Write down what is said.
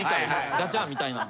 ガチャンみたいな。